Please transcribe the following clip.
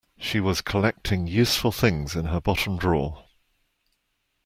She was collecting useful things in her bottom drawer